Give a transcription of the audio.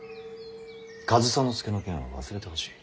上総介の件は忘れてほしい。